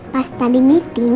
pas tadi meeting